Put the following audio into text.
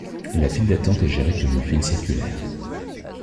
La file d'attente est gérée comme une file circulaire.